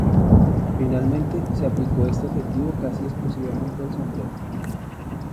Finalmente se aplicó este adjetivo casi exclusivamente al sombrero.